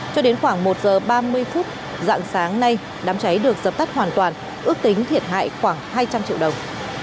cho đến khoảng một giờ ba mươi phút dạng sáng nay đám cháy được dập tắt hoàn toàn ước tính thiệt hại khoảng hai trăm linh triệu đồng